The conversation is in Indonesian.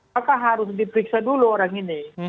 maka harus diperiksa dulu orang ini